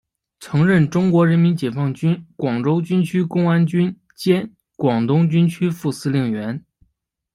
曾任中国人民解放军广州军区公安军兼广东军区副司令员。